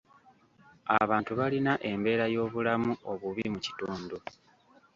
Abantu balina embeera y'obulamu obubi mu kitundu.